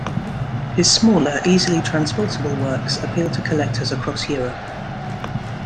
His smaller, easily transportable, works appealed to collectors across Europe.